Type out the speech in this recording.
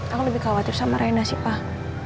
aku lebih khawatir sama reina sih pak